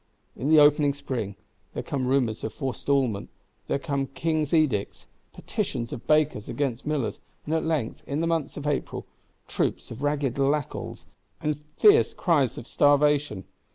In the opening spring, there come rumours of forestalment, there come King's Edicts, Petitions of bakers against millers; and at length, in the month of April—troops of ragged Lackalls, and fierce cries of starvation!